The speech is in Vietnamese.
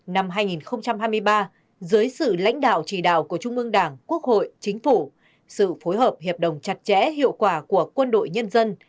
năm hai nghìn hai mươi ba dưới sự lãnh đạo chỉ đạo của trung ương đảng quốc hội chính phủ sự phối hợp hiệp đồng chặt chẽ hiệu quả của quân đội nhân dân